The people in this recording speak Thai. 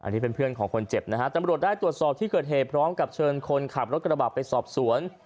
อันนี้เป็นเพื่อนของคนเจ็บนะฮะตำรวจได้ตรวจสอบที่เกิดเหตุพร้อมกับเชิญคนขับรถกระบะไปสอบสวน